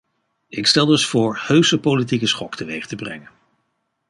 Ik stel dus voor heuse politieke schok teweeg te brengen.